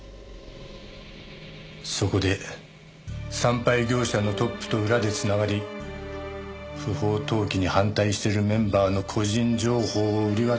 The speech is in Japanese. そこで産廃業者のトップと裏で繋がり不法投棄に反対してるメンバーの個人情報を売り渡そうとした。